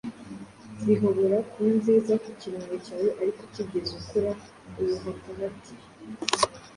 zihobora kuba nziza ku kirango cyawe ariko utigeze ukora ubuhakahati